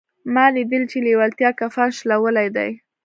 ما لیدلي چې لېوالتیا کفن شلولی دی